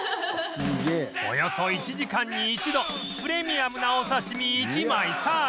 およそ１時間に１度プレミアムなお刺身１枚サービス